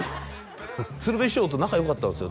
鶴瓶師匠と仲良かったんですよ